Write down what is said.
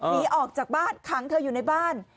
หนีออกจากบ้านขังเธออยู่ในบ้าน